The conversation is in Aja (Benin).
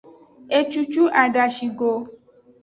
Ecucu adashi go.